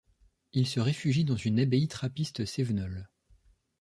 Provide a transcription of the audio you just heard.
Il se réfugie dans une abbaye trappiste cévenole.